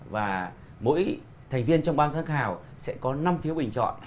và mỗi thành viên trong ban giám khảo sẽ có năm phiếu bình chọn